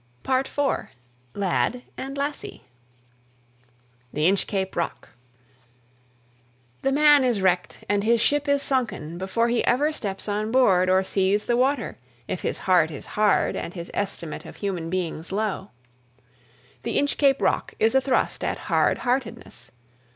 PART IV. Lad and Lassie THE INCHCAPE ROCK. The man is wrecked and his ship is sunken before he ever steps on board or sees the water if his heart is hard and his estimate of human beings low. "The Inchcape Rock" is a thrust at hard heartedness.